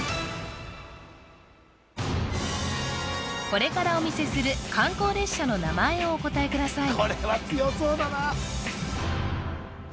これからお見せする観光列車の名前をお答えください